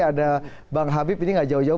ada bang habib ini gak jauh jauh